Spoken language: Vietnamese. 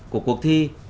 của cuộc thi